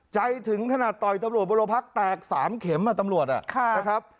ใจถึงถนัดต่อยตำรวจบริภักษณ์แตกสามเข็มอ่ะตำรวจอ่ะ